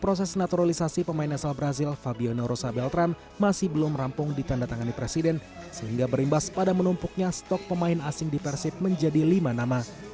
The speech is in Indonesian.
proses naturalisasi pemain asal brazil fabiono rosa beltran masih belum rampung ditanda tangani presiden sehingga berimbas pada menumpuknya stok pemain asing di persib menjadi lima nama